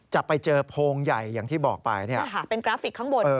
จะไปเจอโพงใหญ่อย่างที่บอกไปเป็นกราฟิกข้างบน